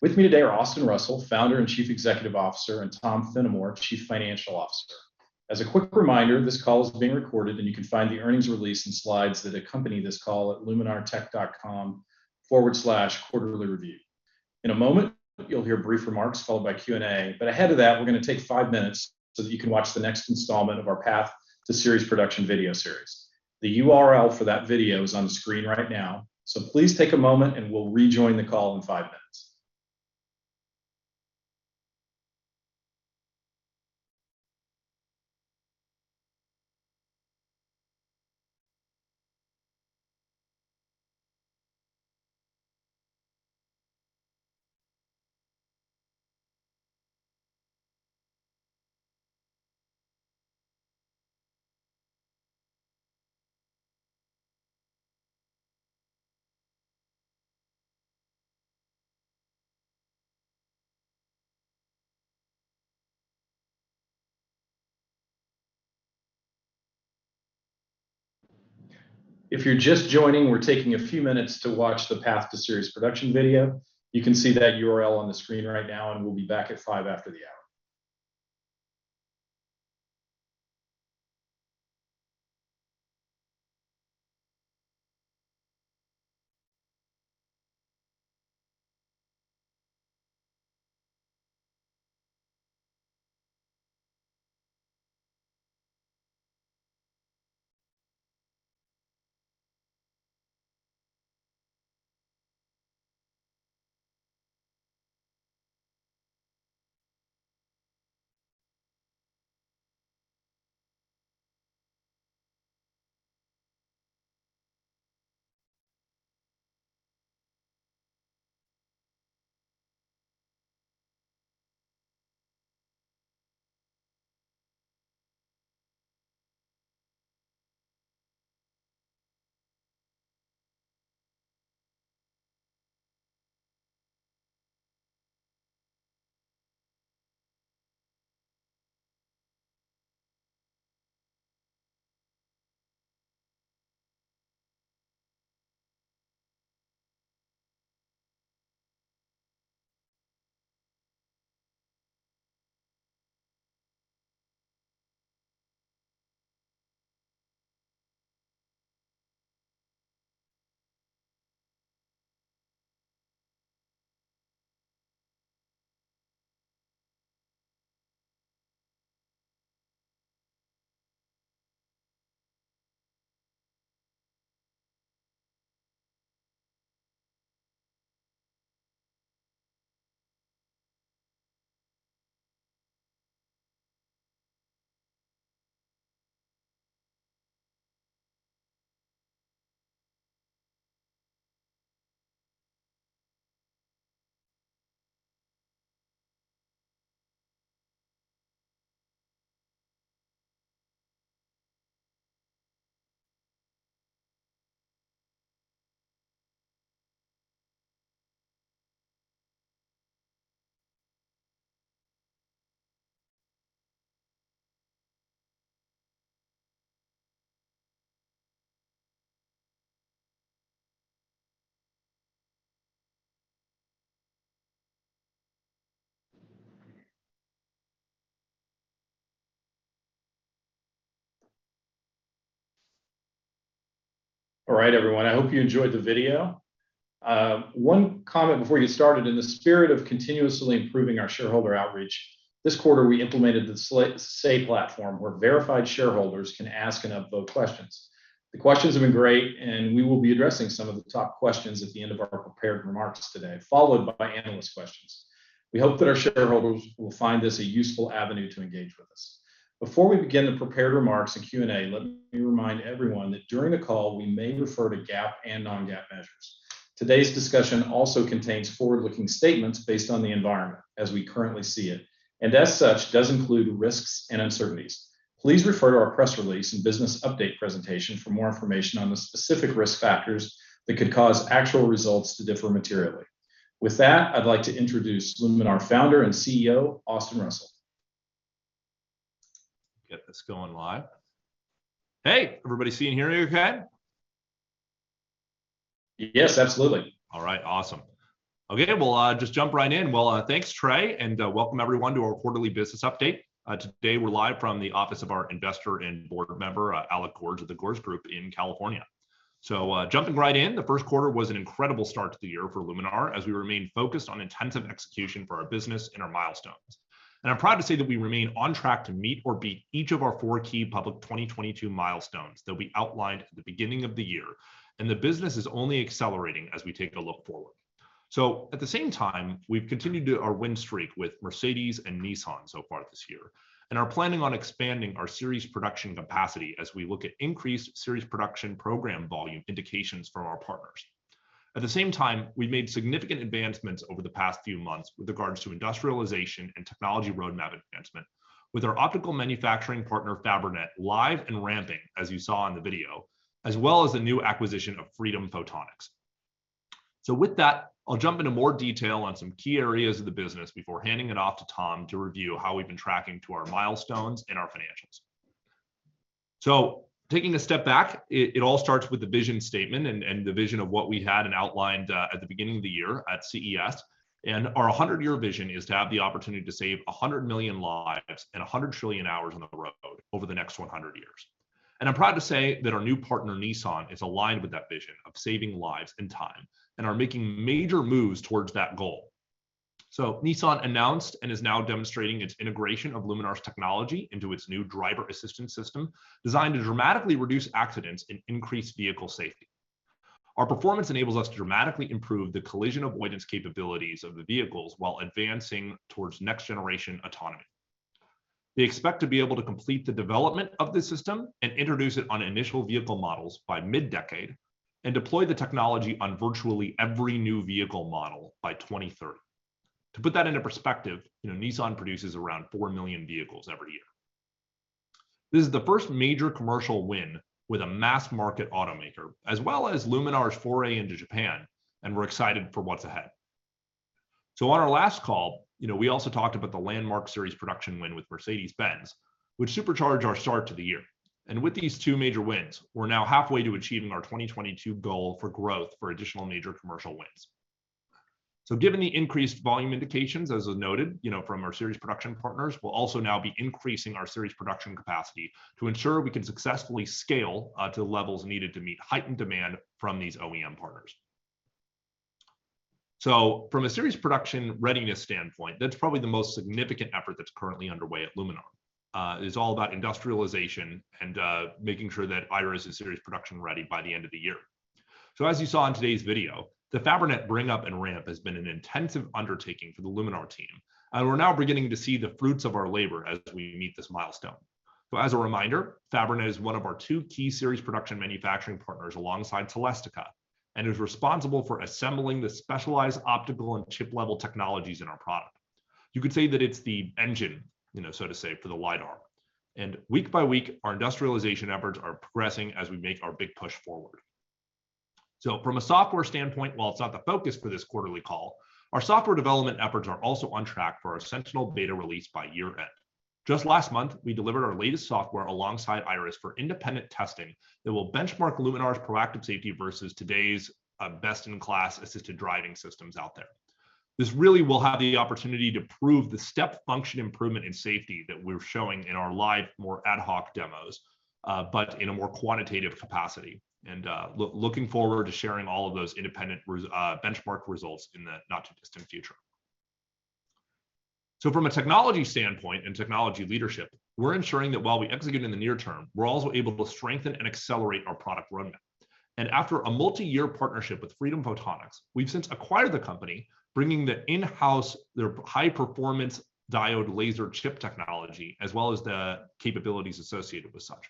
With me today are Austin Russell, Founder and Chief Executive Officer, and Tom Fennimore, Chief Financial Officer. As a quick reminder, this call is being recorded, and you can find the earnings release and slides that accompany this call at luminartech.com/quarterlyreview. In a moment, you'll hear brief remarks followed by Q&A, but ahead of that, we're gonna take five minutes so that you can watch the next installment of our Path to Series Production video series. The URL for that video is on the screen right now, so please take a moment and we'll rejoin the call in five minutes. If you're just joining, we're taking a few minutes to watch the Path to Series Production video. You can see that URL on the screen right now, and we'll be back at five after the hour. All right, everyone. I hope you enjoyed the video. One comment before you get started. In the spirit of continuously improving our shareholder outreach, this quarter we implemented the SAY platform, where verified shareholders can ask and upvote questions. The questions have been great, and we will be addressing some of the top questions at the end of our prepared remarks today, followed by analyst questions. We hope that our shareholders will find this a useful avenue to engage with us. Before we begin the prepared remarks and Q&A, let me remind everyone that during the call we may refer to GAAP and non-GAAP measures. Today's discussion also contains forward-looking statements based on the environment as we currently see it, and as such, does include risks and uncertainties. Please refer to our press release and business update presentation for more information on the specific risk factors that could cause actual results to differ materially. With that, I'd like to introduce Luminar Founder and CEO, Austin Russell. Get this going live. Hey, everybody, seeing and hearing me okay? Yes, absolutely. All right, awesome. Okay, we'll just jump right in. Well, thanks, Trey, and welcome everyone to our quarterly business update. Today we're live from the office of our investor and board member, Alec Gores of The Gores Group in California. Jumping right in, the Q1 was an incredible start to the year for Luminar as we remain focused on intensive execution for our business and our milestones. I'm proud to say that we remain on track to meet or beat each of our four key public 2022 milestones that we outlined at the beginning of the year, and the business is only accelerating as we take a look forward. At the same time, we've continued our win streak with Mercedes and Nissan so far this year and are planning on expanding our series production capacity as we look at increased series production program volume indications from our partners. At the same time, we've made significant advancements over the past few months with regards to industrialization and technology roadmap advancement with our optical manufacturing partner, Fabrinet, live and ramping, as you saw in the video, as well as the new acquisition of Freedom Photonics. With that, I'll jump into more detail on some key areas of the business before handing it off to Tom to review how we've been tracking to our milestones and our financials. Taking a step back, it all starts with the vision statement and the vision of what we had and outlined at the beginning of the year at CES, and our 100-year vision is to have the opportunity to save 100 million lives and 100 trillion hours on the road over the next 100 years. I'm proud to say that our new partner, Nissan, is aligned with that vision of saving lives and time and are making major moves towards that goal. Nissan announced and is now demonstrating its integration of Luminar's technology into its new driver assistance system designed to dramatically reduce accidents and increase vehicle safety. Our performance enables us to dramatically improve the collision avoidance capabilities of the vehicles while advancing towards next generation autonomy. We expect to be able to complete the development of this system and introduce it on initial vehicle models by mid-decade and deploy the technology on virtually every new vehicle model by 2030. To put that into perspective, you know, Nissan produces around 4 million vehicles every year. This is the first major commercial win with a mass market automaker, as well as Luminar's foray into Japan, and we're excited for what's ahead. On our last call, you know, we also talked about the landmark series production win with Mercedes-Benz, which supercharged our start to the year. With these two major wins, we're now halfway to achieving our 2022 goal for growth for additional major commercial wins. Given the increased volume indications as is noted, you know, from our series production partners, we'll also now be increasing our series production capacity to ensure we can successfully scale to the levels needed to meet heightened demand from these OEM partners. From a series production readiness standpoint, that's probably the most significant effort that's currently underway at Luminar. It is all about industrialization and making sure that Iris is series production ready by the end of the year. As you saw in today's video, the Fabrinet bring up and ramp has been an intensive undertaking for the Luminar team, and we're now beginning to see the fruits of our labor as we meet this milestone. As a reminder, Fabrinet is one of our two key series production manufacturing partners alongside Celestica and is responsible for assembling the specialized optical and chip level technologies in our product. You could say that it's the engine, you know, so to say, for the LIDAR. Week by week, our industrialization efforts are progressing as we make our big push forward. From a software standpoint, while it's not the focus for this quarterly call, our software development efforts are also on track for our Sentinel beta release by year end. Just last month, we delivered our latest software alongside Iris for independent testing that will benchmark Luminar's proactive safety versus today's best in class assisted driving systems out there. This really will have the opportunity to prove the step function improvement in safety that we're showing in our live, more ad hoc demos, but in a more quantitative capacity, and, looking forward to sharing all of those independent benchmark results in the not too distant future. From a technology standpoint and technology leadership, we're ensuring that while we execute in the near term, we're also able to strengthen and accelerate our product roadmap. After a multi-year partnership with Freedom Photonics, we've since acquired the company, bringing in-house their high performance diode laser chip technology, as well as the capabilities associated with such.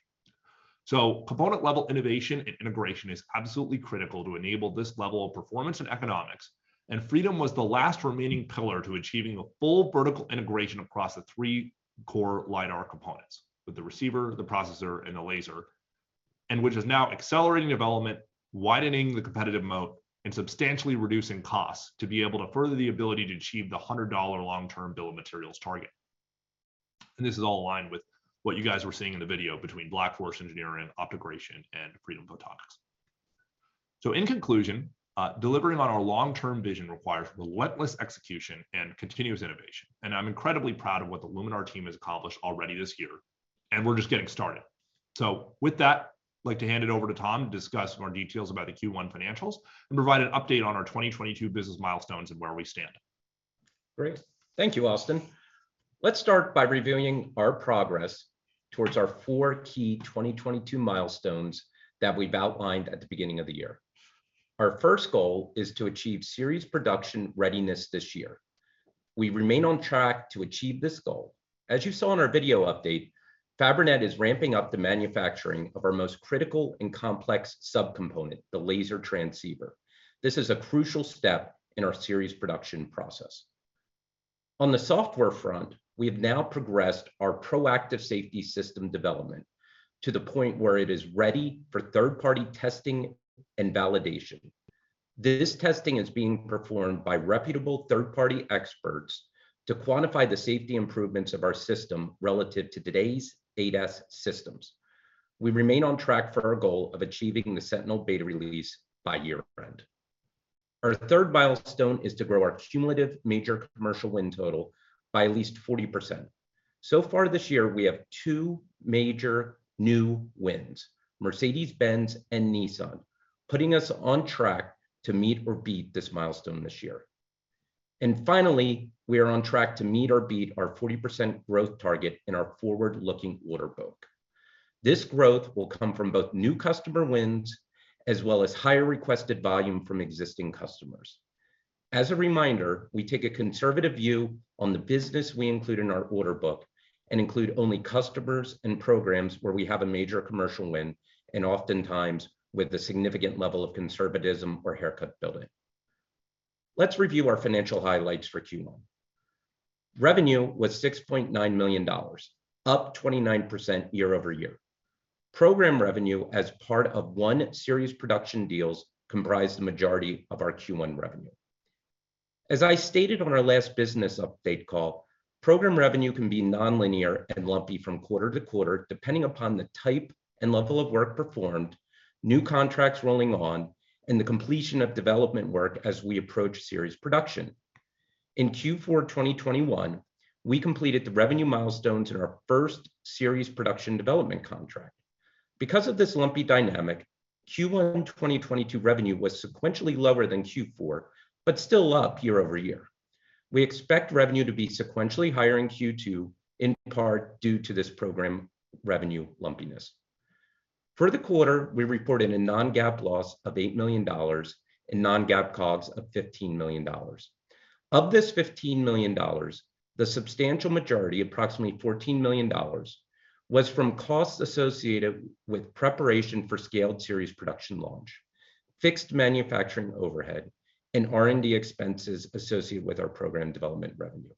Component level innovation and integration is absolutely critical to enable this level of performance and economics, and Freedom was the last remaining pillar to achieving a full vertical integration across the three core LIDAR components with the receiver, the processor, and the laser, and which is now accelerating development, widening the competitive moat, and substantially reducing costs to be able to further the ability to achieve the $100 long-term bill of materials target. This is all aligned with what you guys were seeing in the video between Black Forest Engineering, OptoGration, and Freedom Photonics. In conclusion, delivering on our long-term vision requires relentless execution and continuous innovation, and I'm incredibly proud of what the Luminar team has accomplished already this year, and we're just getting started. With that, I'd like to hand it over to Tom to discuss more details about the Q1 financials and provide an update on our 2022 business milestones and where we stand. Great. Thank you, Austin. Let's start by reviewing our progress towards our four key 2022 milestones that we've outlined at the beginning of the year. Our first goal is to achieve series production readiness this year. We remain on track to achieve this goal. As you saw in our video update, Fabrinet is ramping up the manufacturing of our most critical and complex subcomponent, the laser transceiver. This is a crucial step in our series production process. On the software front, we have now progressed our proactive safety system development to the point where it is ready for third-party testing and validation. This testing is being performed by reputable third-party experts to quantify the safety improvements of our system relative to today's ADAS systems. We remain on track for our goal of achieving the Sentinel beta release by year-end. Our third milestone is to grow our cumulative major commercial win total by at least 40%. So far this year, we have two major new wins, Mercedes-Benz and Nissan, putting us on track to meet or beat this milestone this year. Finally, we are on track to meet or beat our 40% growth target in our forward-looking order book. This growth will come from both new customer wins as well as higher requested volume from existing customers. As a reminder, we take a conservative view on the business we include in our order book and include only customers and programs where we have a major commercial win, and oftentimes with a significant level of conservatism or haircut building. Let's review our financial highlights for Q1. Revenue was $6.9 million, up 29% year-over-year. Program revenue as part of one series production deals comprised the majority of our Q1 revenue. As I stated on our last business update call, program revenue can be nonlinear and lumpy from quarter to quarter depending upon the type and level of work performed, new contracts rolling on, and the completion of development work as we approach series production. In Q4 2021, we completed the revenue milestones in our first series production development contract. Because of this lumpy dynamic, Q1 2022 revenue was sequentially lower than Q4, but still up year-over-year. We expect revenue to be sequentially higher in Q2, in part due to this program revenue lumpiness. For the quarter, we reported a non-GAAP loss of $8 million and non-GAAP COGS of $15 million. Of this $15 million, the substantial majority, approximately $14 million, was from costs associated with preparation for scaled series production launch, fixed manufacturing overhead, and R&D expenses associated with our program development revenue.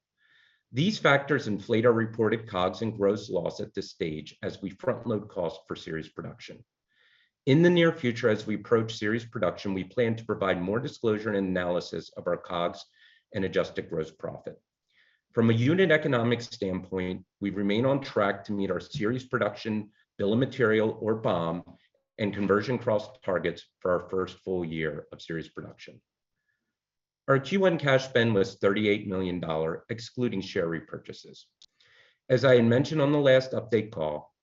These factors inflate our reported COGS and gross loss at this stage as we front-load costs for series production. In the near future, as we approach series production, we plan to provide more disclosure and analysis of our COGS and adjusted gross profit. From a unit economic standpoint, we remain on track to meet our series production bill of material or BOM and conversion cost targets for our first full year of series production. Our Q1 cash spend was $38 million excluding share repurchases. As I had mentioned on the last update call,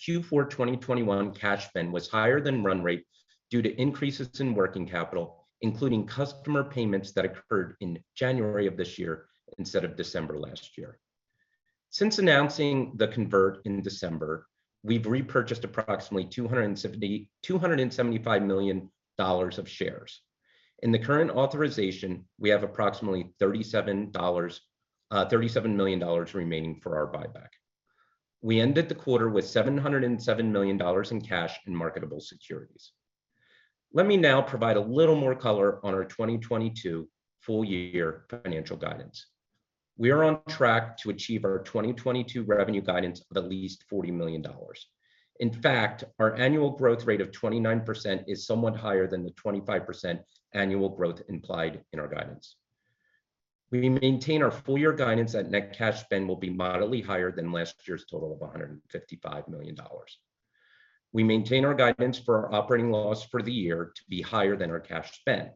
Q4 2021 cash spend was higher than run rate due to increases in working capital, including customer payments that occurred in January of this year instead of December last year. Since announcing the convert in December, we've repurchased approximately $275 million of shares. In the current authorization, we have approximately $37 million remaining for our buyback. We ended the quarter with $707 million in cash and marketable securities. Let me now provide a little more color on our 2022 full year financial guidance. We are on track to achieve our 2022 revenue guidance of at least $40 million. In fact, our annual growth rate of 29% is somewhat higher than the 25% annual growth implied in our guidance. We maintain our full-year guidance that net cash spend will be moderately higher than last year's total of $155 million. We maintain our guidance for our operating loss for the year to be higher than our cash spend.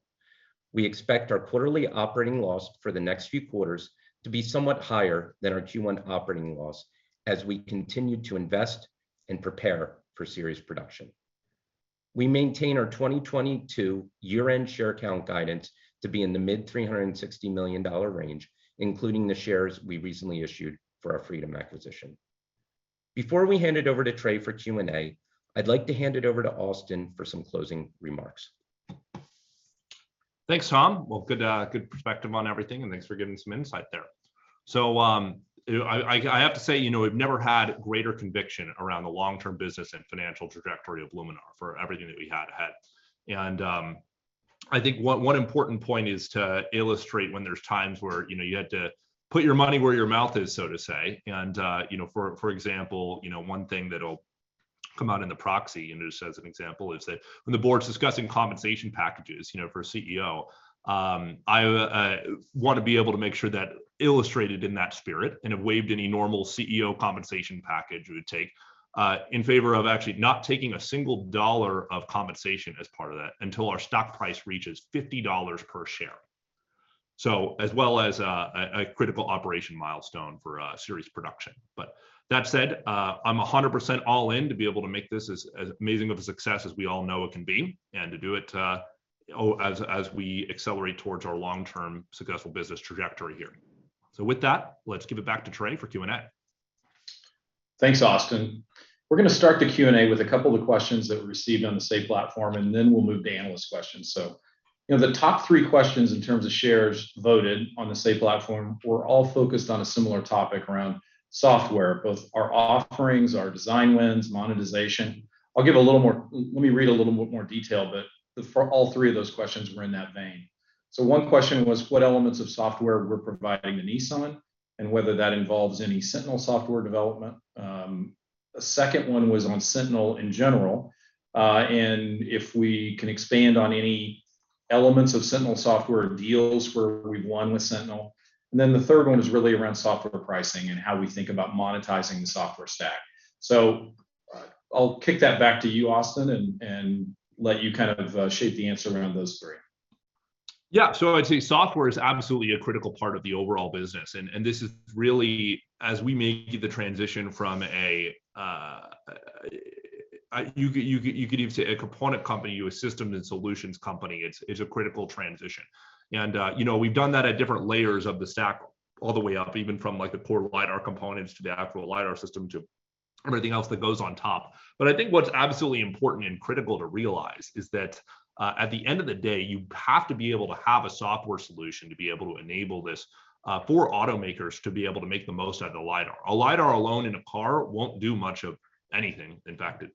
We expect our quarterly operating loss for the next few quarters to be somewhat higher than our Q1 operating loss as we continue to invest and prepare for series production. We maintain our 2022 year-end share count guidance to be in the mid-360 million share range, including the shares we recently issued for our Freedom acquisition. Before we hand it over to Trey for Q&A, I'd like to hand it over to Austin for some closing remarks. Thanks, Tom. Well, good perspective on everything, and thanks for giving some insight there. You know, I have to say, you know, we've never had greater conviction around the long-term business and financial trajectory of Luminar for everything that we had had. I think one important point is to illustrate when there's times where, you know, you had to put your money where your mouth is, so to say. You know, for example, you know, one thing that'll come out in the proxy, and just as an example, is that when the board's discussing compensation packages, you know, for a CEO, I want to be able to make sure that's illustrated in that spirit and have waived any normal CEO compensation package it would take in favor of actually not taking a single dollar of compensation as part of that until our stock price reaches $50 per share as well as a critical operational milestone for series production. That said, I'm 100% all in to be able to make this as amazing of a success as we all know it can be and to do it as we accelerate towards our long-term successful business trajectory here. With that, let's give it back to Trey for Q&A. Thanks, Austin. We're gonna start the Q&A with a couple of questions that we received on the SAY platform, and then we'll move to analyst questions. You know, the top three questions in terms of shares voted on the SAY platform were all focused on a similar topic around software, both our offerings, our design wins, monetization. I'll give a little more. Let me read a little bit more detail, but all three of those questions were in that vein. One question was what elements of software we're providing to Nissan and whether that involves any Sentinel software development. A second one was on Sentinel in general, and if we can expand on any elements of Sentinel software deals where we've won with Sentinel. The third one is really around software pricing and how we think about monetizing the software stack. I'll kick that back to you, Austin, and let you kind of shape the answer around those three. Yeah. I'd say software is absolutely a critical part of the overall business. This is really as we make the transition from, you could even say, a component company to a systems and solutions company. It's a critical transition. You know, we've done that at different layers of the stack all the way up, even from like the core LiDAR components to the actual LiDAR system to everything else that goes on top. I think what's absolutely important and critical to realize is that, at the end of the day, you have to be able to have a software solution to be able to enable this for automakers to be able to make the most out of the LiDAR. A LiDAR alone in a car won't do much of anything. In fact, it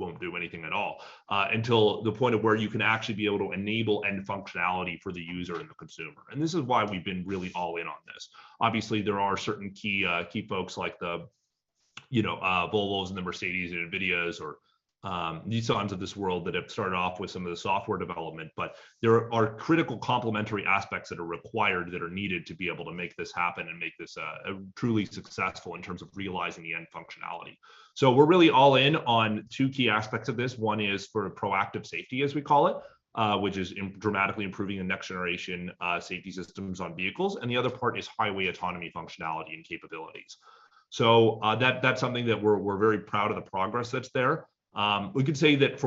won't do anything at all until the point of where you can actually be able to enable end functionality for the user and the consumer. This is why we've been really all in on this. Obviously, there are certain key folks like the, you know, Volvos and the Mercedes and NVIDIAs or Nissans of this world that have started off with some of the software development. There are critical complementary aspects that are required, that are needed to be able to make this happen and make this a truly successful in terms of realizing the end functionality. We're really all in on two key aspects of this. One is for proactive safety, as we call it, which is dramatically improving the next generation safety systems on vehicles, and the other part is highway autonomy functionality and capabilities. That's something that we're very proud of the progress that's there. We can say that,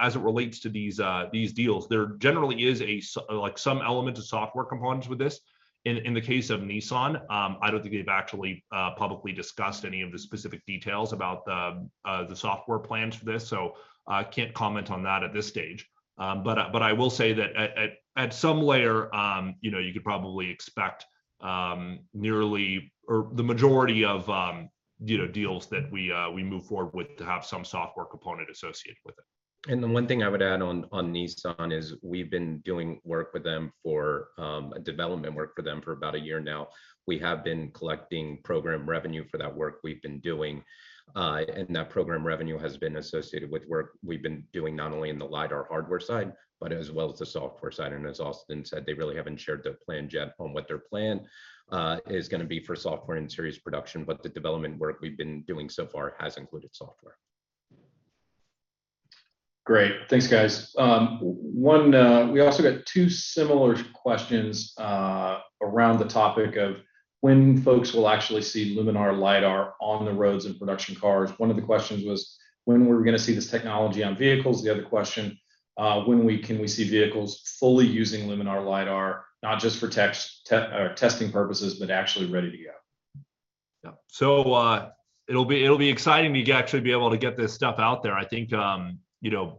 as it relates to these deals, there generally is a like, some element of software components with this. In the case of Nissan, I don't think they've actually publicly discussed any of the specific details about the software plans for this, so I can't comment on that at this stage. I will say that at some layer, you know, you could probably expect nearly or the majority of, you know, deals that we move forward with to have some software component associated with it. The one thing I would add on Nissan is we've been doing work with them for development work for them for about a year now. We have been collecting program revenue for that work we've been doing, and that program revenue has been associated with work we've been doing not only in the lidar hardware side, but as well as the software side. As Austin said, they really haven't shared their plan yet on what their plan is gonna be for software and series production, but the development work we've been doing so far has included software. Great. Thanks, guys. We also got two similar questions around the topic of when folks will actually see Luminar LiDAR on the roads in production cars. One of the questions was, "When are we gonna see this technology on vehicles?" The other question, can we see vehicles fully using Luminar LiDAR, not just for testing purposes, but actually ready to go? Yeah, it'll be exciting to actually be able to get this stuff out there. I think you know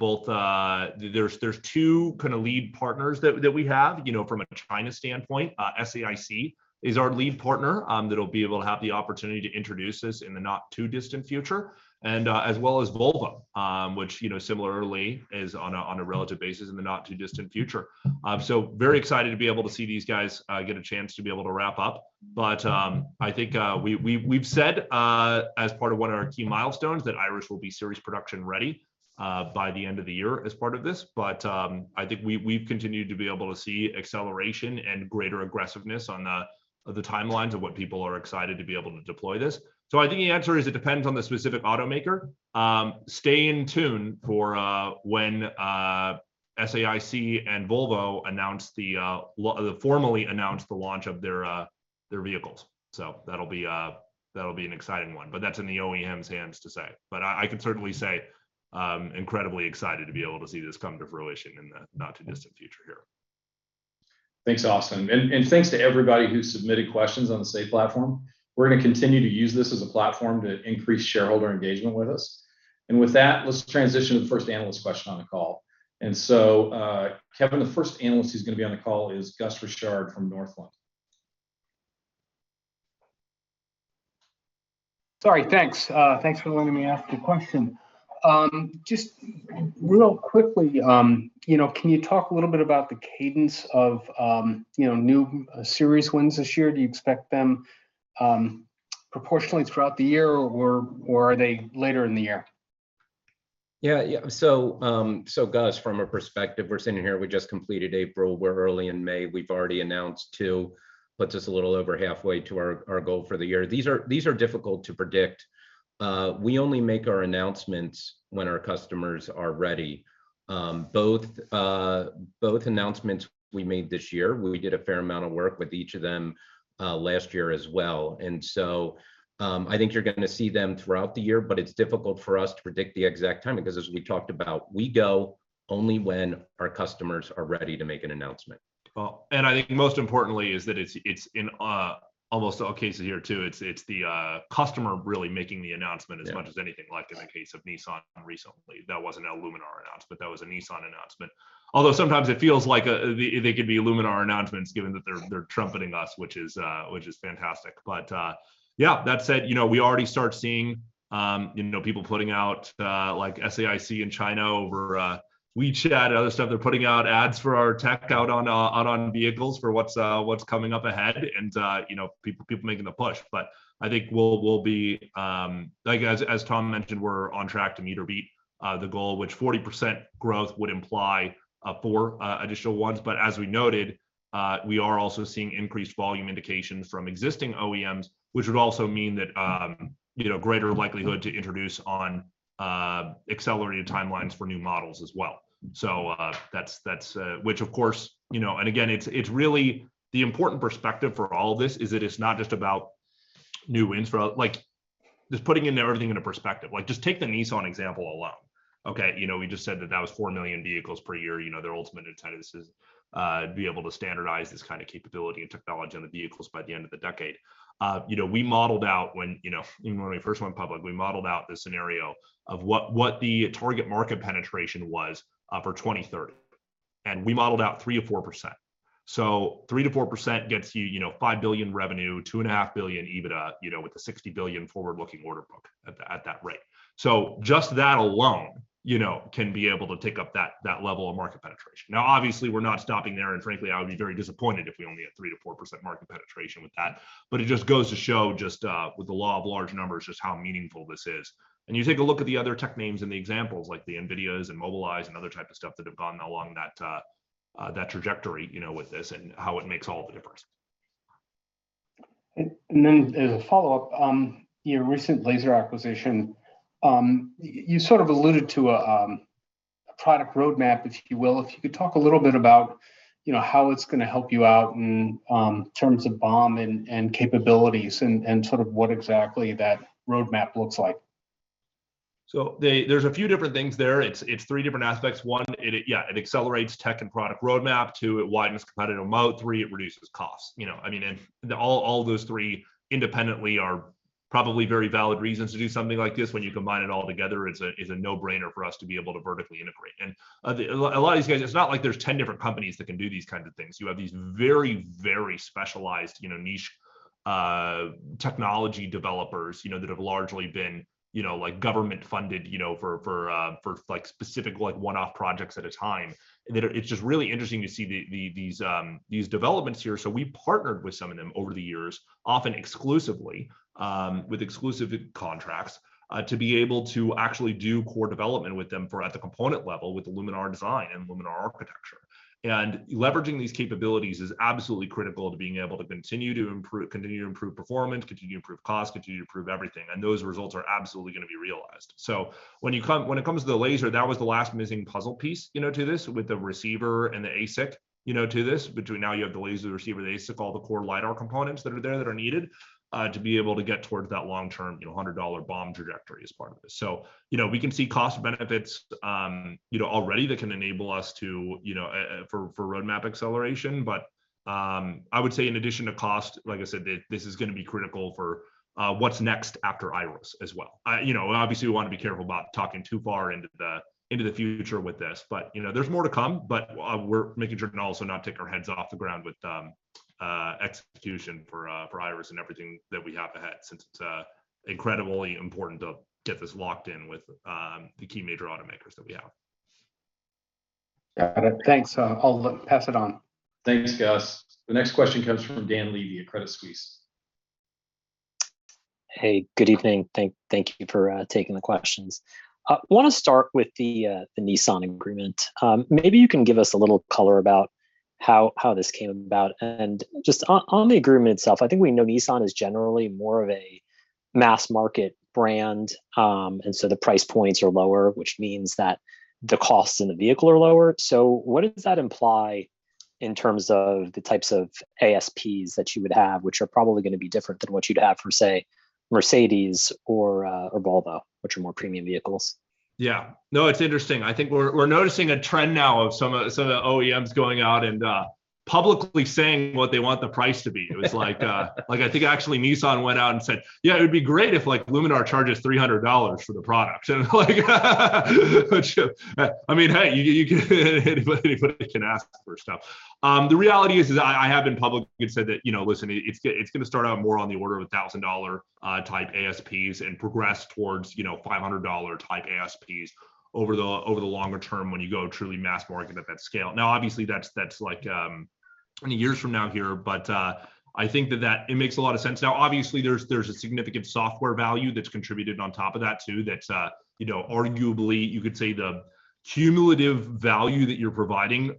there's two kind of lead partners that we have you know from a China standpoint. SAIC is our lead partner that'll be able to have the opportunity to introduce this in the not too distant future, and as well as Volvo which you know similarly is on a relative basis in the not too distant future. Very excited to be able to see these guys get a chance to be able to wrap up. I think we've said as part of one of our key milestones that Iris will be series production ready by the end of the year as part of this. I think we've continued to be able to see acceleration and greater aggressiveness on the timelines of what people are excited to be able to deploy this. I think the answer is it depends on the specific automaker. Stay in tune for when SAIC and Volvo formally announce the launch of their vehicles. That'll be an exciting one. That's in the OEM's hands to say. I can certainly say I'm incredibly excited to be able to see this come to fruition in the not too distant future here. Thanks, Austin. Thanks to everybody who submitted questions on the SAY platform. We're gonna continue to use this as a platform to increase shareholder engagement with us. With that, let's transition to the first analyst question on the call. Kevin, the first analyst who's gonna be on the call is Gus Richard from Northland. Sorry, thanks. Thanks for letting me ask a question. Just real quickly, you know, can you talk a little bit about the cadence of, you know, new series wins this year? Do you expect them proportionally throughout the year or are they later in the year? Yeah. Gus, from a perspective we're sitting here, we just completed April. We're early in May. We've already announced 2. Puts us a little over halfway to our goal for the year. These are difficult to predict. We only make our announcements when our customers are ready. Both announcements we made this year, we did a fair amount of work with each of them last year as well. I think you're gonna see them throughout the year, but it's difficult for us to predict the exact timing, 'cause as we talked about, we go only when our customers are ready to make an announcement. Well, I think most importantly is that it's in almost all cases here too. It's the customer really making the announcement. Yeah as much as anything. Like in the case of Nissan recently, that wasn't a Luminar announcement, that was a Nissan announcement. Although sometimes it feels like they could be Luminar announcements given that they're trumpeting us, which is fantastic. Yeah, that said, you know, we already start seeing, you know, people putting out, like SAIC in China over WeChat and other stuff. They're putting out ads for our tech out on vehicles for what's coming up ahead and, you know, people making the push. I think we'll be, like as Tom mentioned, we're on track to meet or beat the goal, which 40% growth would imply, four additional ones. As we noted, we are also seeing increased volume indication from existing OEMs, which would also mean that, you know, greater likelihood to introduce on accelerated timelines for new models as well. That's which of course, you know. Again, it's really the important perspective for all of this is that it's not just about new wins for, like, just putting everything into perspective. Like just take the Nissan example alone, okay? You know, we just said that was 4 million vehicles per year. You know, their ultimate intent of this is to be able to standardize this kind of capability and technology on the vehicles by the end of the decade. You know, we modeled out when, you know, even when we first went public, we modeled out the scenario of what the target market penetration was for 2030, and we modeled out 3%-4%. 3%-4% gets you know, $5 billion revenue, $2.5 billion EBITDA, you know, with a $60 billion forward-looking order book at that rate. Just that alone. You know, can be able to take up that level of market penetration. Now, obviously, we're not stopping there, and frankly I would be very disappointed if we only hit 3%-4% market penetration with that. It just goes to show just with the law of large numbers just how meaningful this is. You take a look at the other tech names in the examples, like the NVIDIAs and Mobileye and other type of stuff that have gone along that trajectory, you know, with this and how it makes all the difference. As a follow-up, your recent laser acquisition, you sort of alluded to a product roadmap, if you will. If you could talk a little bit about, you know, how it's gonna help you out in terms of BOM and capabilities and sort of what exactly that roadmap looks like. There's a few different things there. It's three different aspects. One, it accelerates tech and product roadmap. Two, it widens competitive moat. Three, it reduces cost. You know, I mean, and all those three independently are probably very valid reasons to do something like this. When you combine it all together, it's a no-brainer for us to be able to vertically integrate. A lot of these guys, it's not like there's 10 different companies that can do these kinds of things. You have these very specialized, you know, niche technology developers, you know, that have largely been, you know, like government funded, you know, for like specific one-off projects at a time. That it's just really interesting to see these developments here. We've partnered with some of them over the years, often exclusively, with exclusive contracts, to be able to actually do core development with them for at the component level with the Luminar design and Luminar architecture. Leveraging these capabilities is absolutely critical to being able to continue to improve, continue to improve performance, continue to improve cost, continue to improve everything. Those results are absolutely gonna be realized. When it comes to the laser, that was the last missing puzzle piece, you know, to this with the receiver and the ASIC, you know, to this. But now you have the laser, the receiver, the ASIC, all the core LIDAR components that are there that are needed, to be able to get towards that long-term, you know, $100 BOM trajectory as part of this. you know, we can see cost benefits, you know, for roadmap acceleration. I would say in addition to cost, like I said, this is gonna be critical for what's next after Iris as well. you know, obviously we wanna be careful about talking too far into the future with this, but you know, there's more to come. we're making sure to also not take our heads off the ground with execution for Iris and everything that we have ahead since it's incredibly important to get this locked in with the key major automakers that we have. Got it. Thanks. I'll pass it on. Thanks, Gus. The next question comes from Dan Levy at Credit Suisse. Hey, good evening. Thank you for taking the questions. Wanna start with the Nissan agreement. Maybe you can give us a little color about how this came about. Just on the agreement itself, I think we know Nissan is generally more of a mass market brand, and so the price points are lower, which means that the costs in the vehicle are lower. What does that imply in terms of the types of ASPs that you would have, which are probably gonna be different than what you'd have for, say, Mercedes or Volvo, which are more premium vehicles? Yeah. No, it's interesting. I think we're noticing a trend now of some of the OEMs going out and publicly saying what they want the price to be. It was like, I think actually Nissan went out and said, "Yeah, it would be great if like Luminar charges $300 for the product." And like which, I mean, hey, you can, anybody can ask for stuff. The reality is I have been public and said that, you know, listen, it's gonna start out more on the order of a $1,000 type ASPs and progress towards, you know, $500 type ASPs over the longer term when you go truly mass market at that scale. Now obviously that's like many years from now here, but I think that it makes a lot of sense. Now obviously there's a significant software value that's contributed on top of that too that's you know arguably you could say the cumulative value that you're providing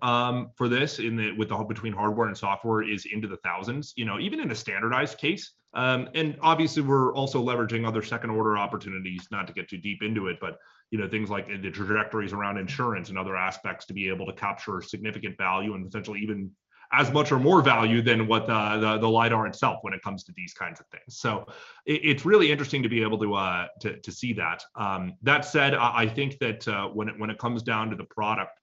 for this between hardware and software is into the thousands you know even in a standardized case. Obviously we're also leveraging other second order opportunities, not to get too deep into it, but you know things like the trajectories around insurance and other aspects to be able to capture significant value and essentially even as much or more value than what the LIDAR itself when it comes to these kinds of things. It's really interesting to be able to see that. That said, I think that when it comes down to the product,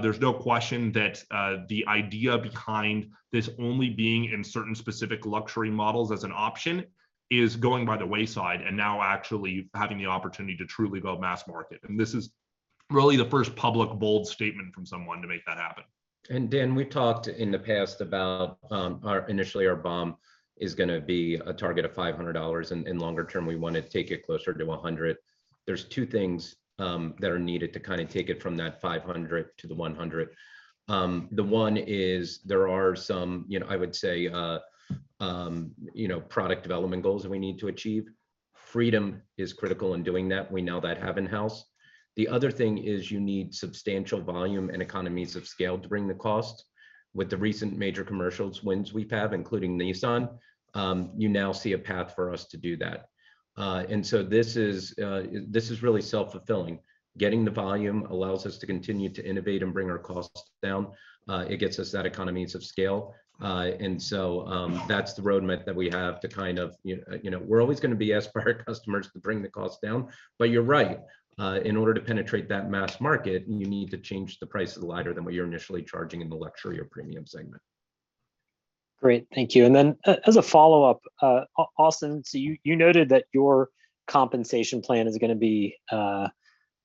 there's no question that the idea behind this only being in certain specific luxury models as an option is going by the wayside and now actually having the opportunity to truly go mass market. This is really the first public bold statement from someone to make that happen. Dan, we've talked in the past about our initially our BOM is gonna be a target of $500 and longer term we wanna take it closer to $100. There's two things that are needed to kind of take it from that $500 to the $100. The one is there are some you know I would say you know product development goals that we need to achieve. Freedom Photonics is critical in doing that. We now have that in-house. The other thing is you need substantial volume and economies of scale to bring the cost. With the recent major commercial wins we've had, including Nissan, you now see a path for us to do that. This is really self-fulfilling. Getting the volume allows us to continue to innovate and bring our costs down. It gets us that economies of scale. That's the roadmap that we have to kind of you know, we're always gonna be asked by our customers to bring the cost down, but you're right. In order to penetrate that mass market, you need to change the price of the LiDAR than what you're initially charging in the luxury or premium segment. Great. Thank you. As a follow-up, Austin, so you noted that your compensation plan is gonna be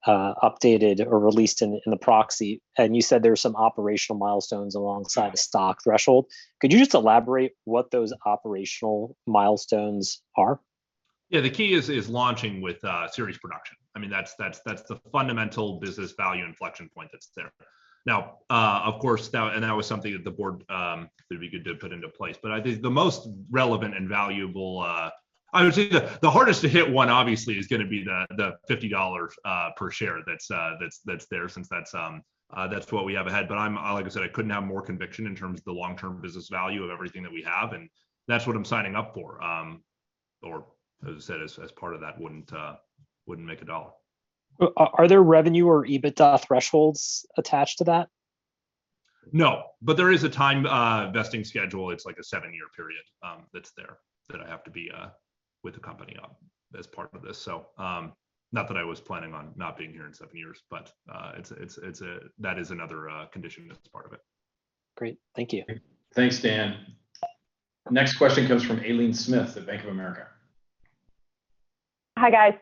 updated or released in the proxy, and you said there are some operational milestones alongside a stock threshold. Could you just elaborate what those operational milestones are? Yeah, the key is launching with series production. I mean, that's the fundamental business value inflection point that's there. Now, of course, now. That was something that the board, it'd be good to put into place. But I think the most relevant and valuable. I would say the hardest to hit one obviously is gonna be the $50 per share that's there, since that's what we have ahead. But I'm, like I said, I couldn't have more conviction in terms of the long-term business value of everything that we have, and that's what I'm signing up for. As I said, as part of that, wouldn't make a dollar. Are there revenue or EBITDA thresholds attached to that? No. There is a time vesting schedule. It's like a seven-year period, that's there, that I have to be with the company, as part of this. Not that I was planning on not being here in seven years, but it's a that is another condition that's part of it. Great. Thank you. Thanks, Dan. Next question comes from Aileen Smith at Bank of America. Hi, guys.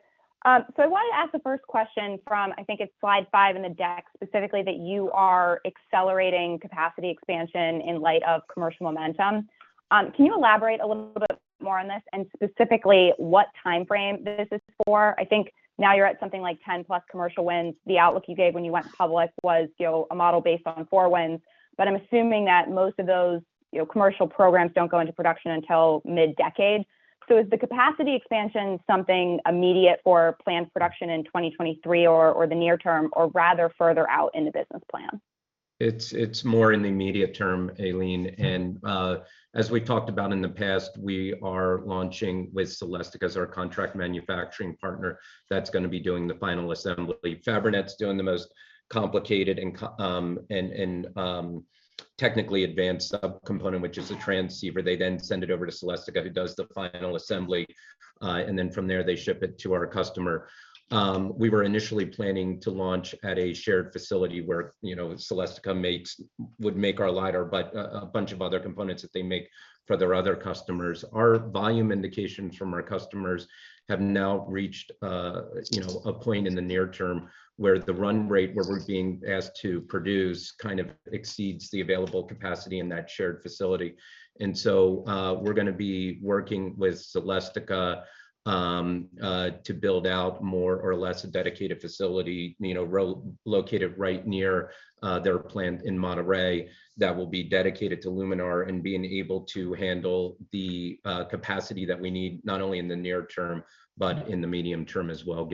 I wanted to ask the first question from, I think it's slide 5 in the deck, specifically that you are accelerating capacity expansion in light of commercial momentum. Can you elaborate a little bit more on this, and specifically what timeframe this is for? I think now you're at something like 10+ commercial wins. The outlook you gave when you went public was, you know, a model based on 4 wins. I'm assuming that most of those, you know, commercial programs don't go into production until mid-decade. Is the capacity expansion something immediate for planned production in 2023 or the near term, or rather further out in the business plan? It's more in the immediate term, Aileen. As we talked about in the past, we are launching with Celestica as our contract manufacturing partner that's gonna be doing the final assembly. Fabrinet's doing the most complicated and technically advanced subcomponent, which is the transceiver. They then send it over to Celestica who does the final assembly. From there they ship it to our customer. We were initially planning to launch at a shared facility where, you know, Celestica would make our LiDAR, but a bunch of other components that they make for their other customers. Our volume indication from our customers have now reached, you know, a point in the near term where the run rate we're being asked to produce kind of exceeds the available capacity in that shared facility. We're gonna be working with Celestica to build out more or less a dedicated facility, you know, located right near their plant in Monterrey that will be dedicated to Luminar and being able to handle the capacity that we need, not only in the near term, but in the medium term as well,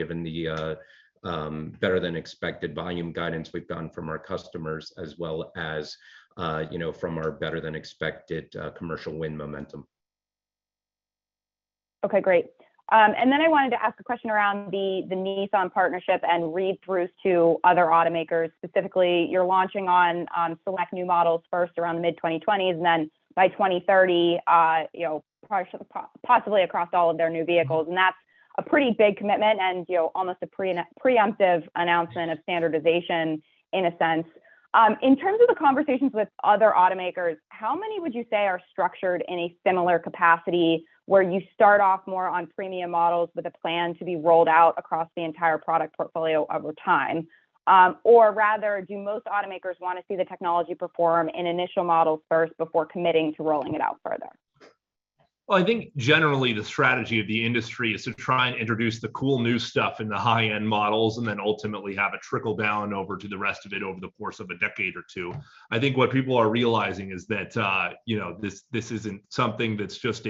given the better than expected volume guidance we've gotten from our customers, as well as, you know, from our better than expected commercial win momentum. Okay, great. I wanted to ask a question around the Nissan partnership and read-throughs to other automakers. Specifically, you're launching on select new models first around the mid-2020s, and then by 2030, you know, possibly across all of their new vehicles. That's a pretty big commitment and, you know, almost a preemptive announcement of standardization in a sense. In terms of the conversations with other automakers, how many would you say are structured in a similar capacity where you start off more on premium models with a plan to be rolled out across the entire product portfolio over time? Rather, do most automakers wanna see the technology perform in initial models first before committing to rolling it out further? Well, I think generally the strategy of the industry is to try and introduce the cool new stuff in the high-end models, and then ultimately have it trickle down over to the rest of it over the course of a decade or two. I think what people are realizing is that, you know, this isn't something that's just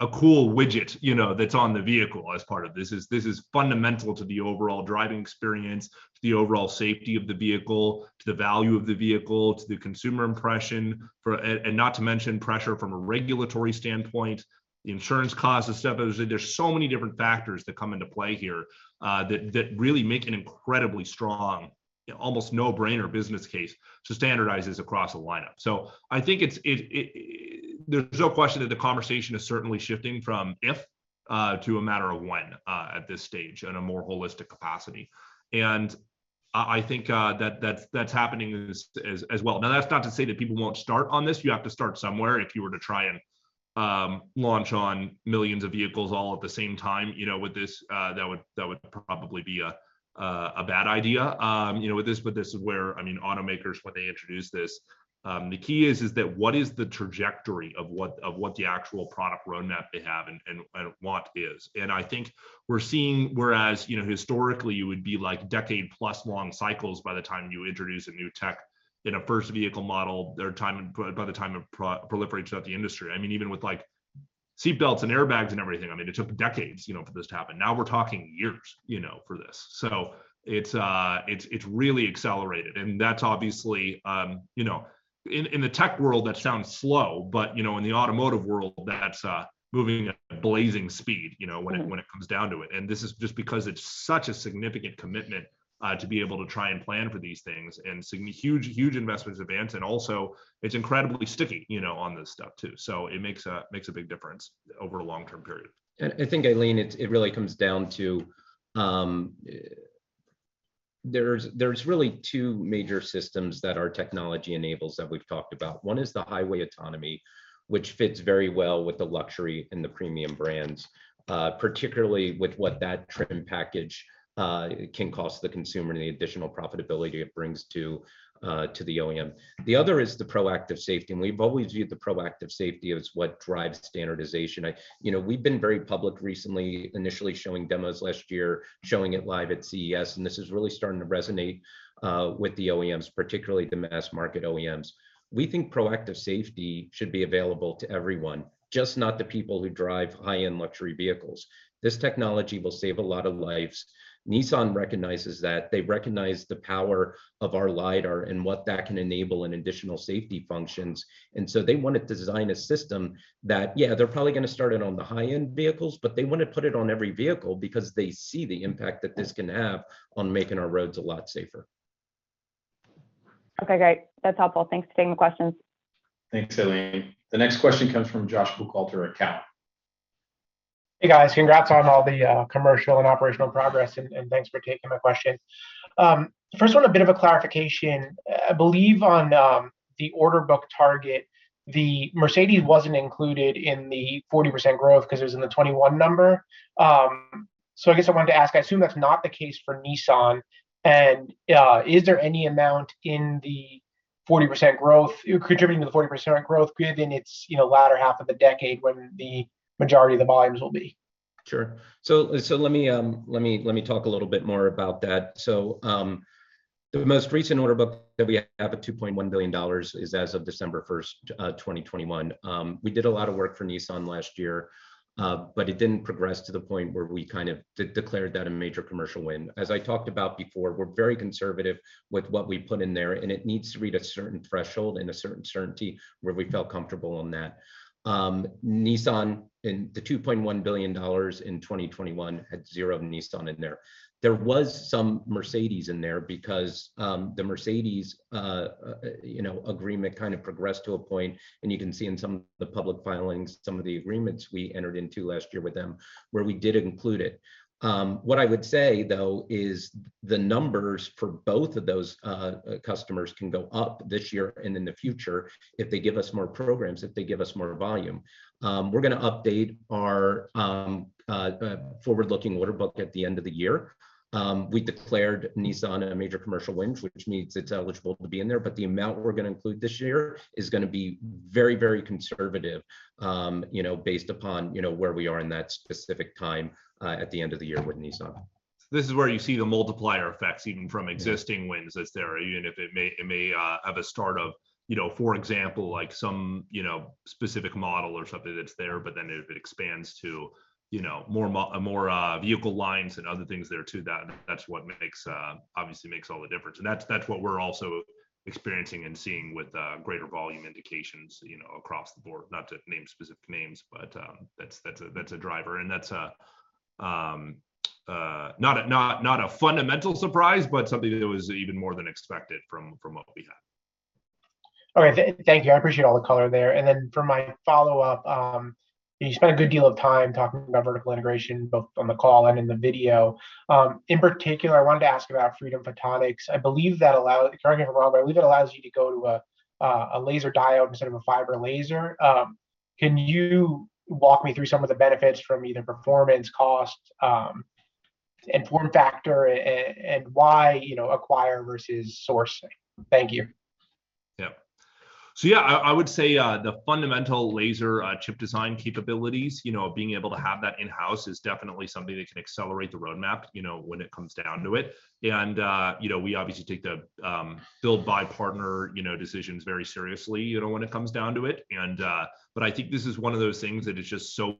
a cool widget, you know, that's on the vehicle as part of this. This is fundamental to the overall driving experience, to the overall safety of the vehicle, to the value of the vehicle, to the consumer impression, and not to mention pressure from a regulatory standpoint, the insurance costs and stuff. There's so many different factors that come into play here, that really make an incredibly strong, you know, almost no-brainer business case to standardize this across a lineup. I think it's. There's no question that the conversation is certainly shifting from if to a matter of when at this stage in a more holistic capacity. I think that that's happening as well. Now, that's not to say that people won't start on this. You have to start somewhere. If you were to try and launch on millions of vehicles all at the same time, you know, with this, that would probably be a bad idea, you know, with this. But this is where, I mean, automakers, when they introduce this, the key is that what is the trajectory of what the actual product roadmap they have and want is? I think we're seeing, whereas, you know, historically you would be like decade-plus long cycles by the time you introduce a new tech in a first vehicle model, by the time it proliferates throughout the industry. I mean, even with like seatbelts and airbags and everything, I mean, it took decades, you know, for this to happen. Now we're talking years, you know, for this. So it's really accelerated, and that's obviously, you know, in the tech world that sounds slow, but, you know, in the automotive world that's moving at blazing speed, you know, when it comes down to it. This is just because it's such a significant commitment to be able to try and plan for these things, and huge investments in advance. Also it's incredibly sticky, you know, on this stuff too. It makes a big difference over a long-term period. I think, Aileen, it really comes down to. There's really two major systems that our technology enables that we've talked about. One is the highway autonomy, which fits very well with the luxury and the premium brands, particularly with what that trim and package can cost the consumer and the additional profitability it brings to the OEM. The other is the proactive safety, and we've always viewed the proactive safety as what drives standardization. You know, we've been very public recently, initially showing demos last year, showing it live at CES, and this is really starting to resonate with the OEMs, particularly the mass-market OEMs. We think proactive safety should be available to everyone, just not the people who drive high-end luxury vehicles. This technology will save a lot of lives. Nissan recognizes that. They recognize the power of our LIDAR and what that can enable in additional safety functions. They wanna design a system that, yeah, they're probably gonna start it on the high-end vehicles, but they wanna put it on every vehicle because they see the impact that this can have on making our roads a lot safer. Okay, great. That's helpful. Thanks for taking the questions. Thanks, Aileen. The next question comes from Joshua Buchalter at Cowen. Hey, guys. Congrats on all the commercial and operational progress and thanks for taking my question. First one, a bit of a clarification. I believe on the order book target, the Mercedes wasn't included in the 40% growth 'cause it was in the 2021 number. So I guess I wanted to ask, I assume that's not the case for Nissan, and is there any amount in the 40% growth, contributing to the 40% growth given it's, you know, latter half of the decade when the majority of the volumes will be? Sure. Talk a little bit more about that. The most recent order book that we have at $2.1 billion is as of December 1st, 2021. We did a lot of work for Nissan last year, but it didn't progress to the point where we kind of declared that a major commercial win. As I talked about before, we're very conservative with what we put in there, and it needs to reach a certain threshold and a certain certainty where we felt comfortable on that. Nissan, in the $2.1 billion in 2021, had zero Nissan in there. There was some Mercedes in there because the Mercedes, you know, agreement kind of progressed to a point, and you can see in some of the public filings some of the agreements we entered into last year with them where we did include it. What I would say, though, is the numbers for both of those customers can go up this year and in the future if they give us more programs, if they give us more volume. We're gonna update our forward-looking order book at the end of the year. We declared Nissan a major commercial win, which means it's eligible to be in there, but the amount we're gonna include this year is gonna be very, very conservative, you know, based upon, you know, where we are in that specific time, at the end of the year with Nissan. This is where you see the multiplier effects even from. Yeah existing wins that's there, even if it may have a start of, you know, for example, like some, you know, specific model or something that's there, but then it expands to, you know, more vehicle lines and other things there too. That's what obviously makes all the difference, and that's what we're also experiencing and seeing with greater volume indications, you know, across the board. Not to name specific names, but that's a driver. That's not a fundamental surprise, but something that was even more than expected from what we had. Okay. Thank you. I appreciate all the color there. For my follow-up, you spent a good deal of time talking about vertical integration both on the call and in the video. In particular, I wanted to ask about Freedom Photonics. Correct me if I'm wrong, but I believe it allows you to go to a laser diode instead of a fiber laser. Can you walk me through some of the benefits from either performance, cost, and form factor and why, you know, acquire versus source? Thank you. Yeah. I would say the fundamental laser chip design capabilities, you know, being able to have that in-house is definitely something that can accelerate the roadmap, you know, when it comes down to it. You know, we obviously take the build, buy, partner decisions very seriously, you know, when it comes down to it. I think this is one of those things that is just so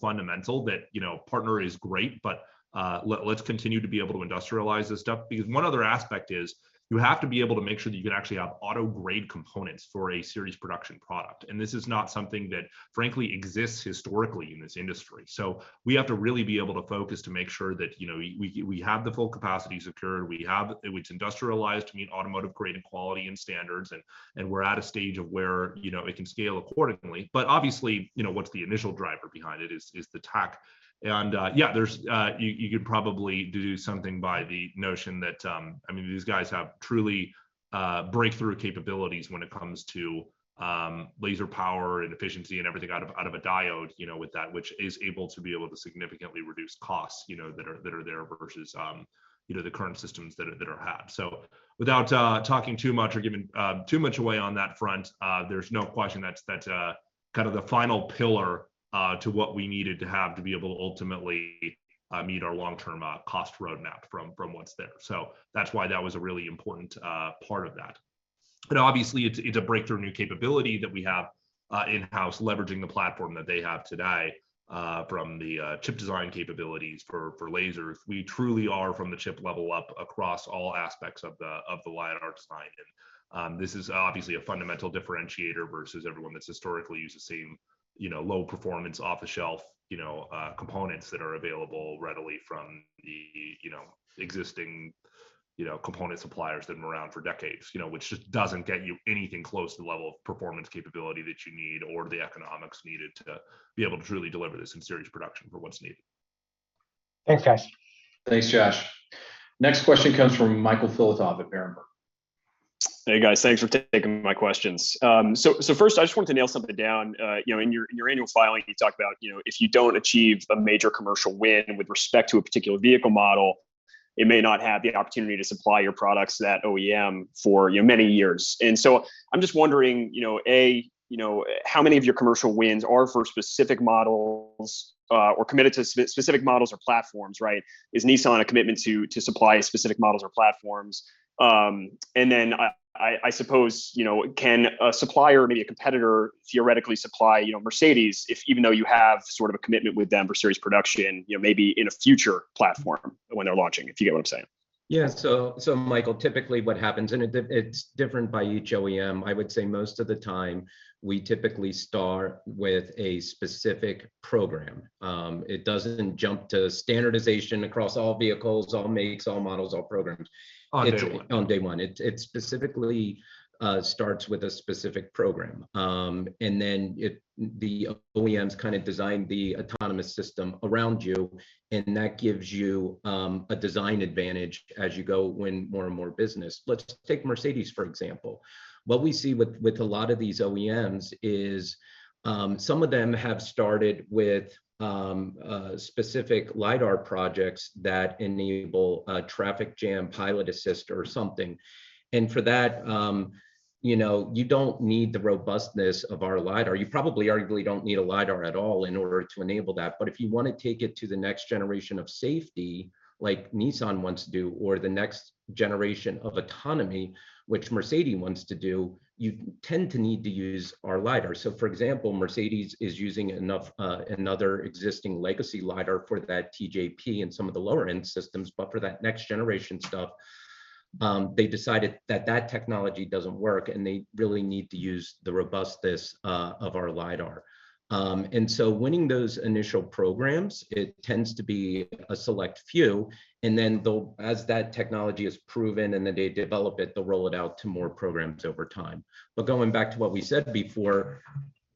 fundamental that, you know, partner is great, but let's continue to be able to industrialize this stuff. Because one other aspect is you have to be able to make sure that you can actually have auto-grade components for a series production product, and this is not something that frankly exists historically in this industry. We have to really be able to focus to make sure that, you know, we have the full capacity secured. It's industrialized to meet automotive grade and quality and standards, and we're at a stage where, you know, it can scale accordingly. Obviously, you know, what's the initial driver behind it is the tech. Yeah, there's you could probably do something on the notion that, I mean, these guys have truly breakthrough capabilities when it comes to laser power and efficiency and everything out of a diode, you know, with that, which is able to significantly reduce costs, you know, that are there versus, you know, the current systems that are out there. Without talking too much or giving too much away on that front, there's no question that's kind of the final pillar to what we needed to have to be able to ultimately meet our long-term cost roadmap from what's there. That's why that was a really important part of that. Obviously, it's a breakthrough new capability that we have in-house leveraging the platform that they have today from the chip design capabilities for lasers. We truly are from the chip level up across all aspects of the LIDAR design. This is obviously a fundamental differentiator versus everyone that's historically used the same, you know, low performance, off-the-shelf, you know, components that are available readily from the, you know, existing, you know, component suppliers that have been around for decades, you know, which just doesn't get you anything close to the level of performance capability that you need or the economics needed to be able to truly deliver this in series production for what's needed. Thanks, guys. Thanks, Josh. Next question comes from Michael Filatov at Berenberg. Hey, guys. Thanks for taking my questions. So first I just want to nail something down. You know, in your annual filing, you talked about, you know, if you don't achieve a major commercial win with respect to a particular vehicle model, it may not have the opportunity to supply your products to that OEM for, you know, many years. I'm just wondering, you know, A, you know, how many of your commercial wins are for specific models or committed to specific models or platforms, right? Is Nissan a commitment to supply specific models or platforms? I suppose, you know, can a supplier, maybe a competitor, theoretically supply, you know, Mercedes if even though you have sort of a commitment with them for series production, you know, maybe in a future platform when they're launching, if you get what I'm saying? Michael, typically what happens, and it's different by each OEM. I would say most of the time we typically start with a specific program. It doesn't jump to standardization across all vehicles, all makes, all models, all programs. On day one. On day one. It specifically starts with a specific program. Then the OEMs kind of design the autonomous system around you, and that gives you a design advantage as you go win more and more business. Let's take Mercedes, for example. What we see with a lot of these OEMs is some of them have started with a specific lidar projects that enable a traffic jam pilot assist or something. For that, you know, you don't need the robustness of our lidar. You probably arguably don't need a lidar at all in order to enable that. If you wanna take it to the next generation of safety like Nissan wants to do, or the next generation of autonomy, which Mercedes wants to do, you tend to need to use our lidar. For example, Mercedes is using Valeo, another existing legacy lidar for that TJP and some of the lower-end systems. For that next generation stuff, they decided that that technology doesn't work, and they really need to use the robustness of our lidar. Winning those initial programs, it tends to be a select few, and then they'll, as that technology is proven and then they develop it, they'll roll it out to more programs over time. Going back to what we said before,